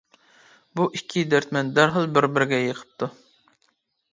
بۇ ئىككى دەردمەن دەرھال بىر-بىرىگە يېقىپتۇ.